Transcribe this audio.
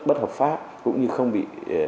bất hợp pháp cũng như không bị